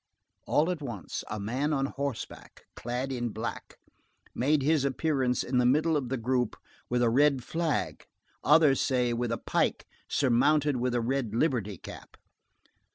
All at once, a man on horseback, clad in black, made his appearance in the middle of the group with a red flag, others say, with a pike surmounted with a red liberty cap.